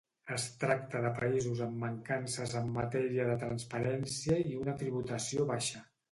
Es tracta de països amb mancances en matèria de transparència i una tributació baixa.